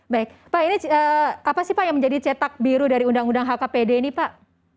baik pak ini apa sih pak yang menjadi cetak biru dari undang undang hkpd ini pak